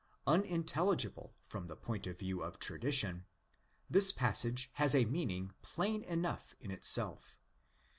Unin telligible from the point of view of tradition, this passage has a meaning plain enough in itself.